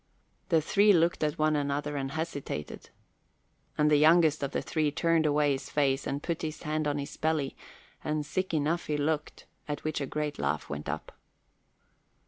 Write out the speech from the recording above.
The three looked at one another and hesitated, and the youngest of the three turned away his face and put his hand on his belly, and sick enough he looked, at which a great laugh went up.